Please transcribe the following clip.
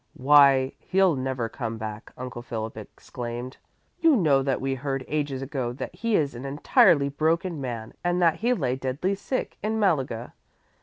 "Why, he'll never come back," Uncle Philip exclaimed. "You know that we heard ages ago that he is an entirely broken man and that he lay deadly sick in Malaga.